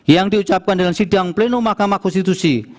yang diucapkan dengan sidang plenum mahkamah konstitusi